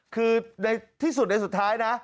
คือในที่สุดในสุดท้ายนะ